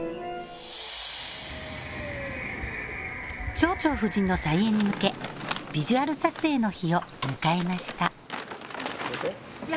「蝶々夫人」の再演に向けビジュアル撮影の日を迎えましたＯＫ？